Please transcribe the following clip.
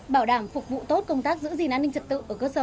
bảo đảm phục vụ tốt công tác giữ gìn an ninh trật tự ở cơ sở